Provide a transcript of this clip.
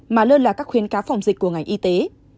mà lơ là các khuyến cáo phòng dịch của ngành y tế